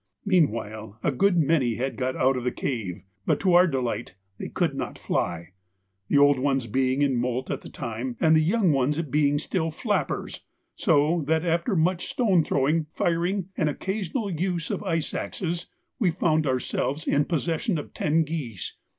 Meanwhile a good many had got out of the cave, but, to our delight, they could not fly, the old ones being in moult at the time and the young ones being still flappers, so that, after much stone throwing, firing, and occasional use of ice axes, we found ourselves in possession of ten geese.